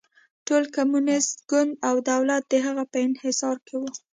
ټول کمونېست ګوند او دولت د هغه په انحصار کې و.